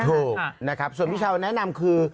ถูกนะครับส่วนพี่ชาวแนะนำคือ